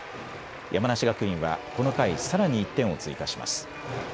山梨学院はこの回さらに１点を追加します。